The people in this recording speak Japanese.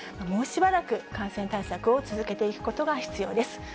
もうしばらく感染対策を続けていくことが必要です。